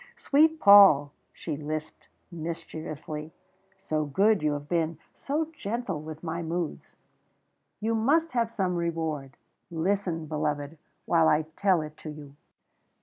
"Sweet Paul," she lisped mischievously, "so good you have been, so gentle with my moods. You must have some reward. Listen, beloved while I tell it to you."